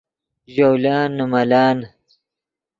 ژولن نے ملن